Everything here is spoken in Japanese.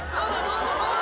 どうだ？